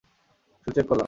শুধু চেক করলাম।